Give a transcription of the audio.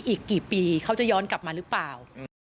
อีกกี่ปีเขาจะย้อนกลับมาหรือเปล่า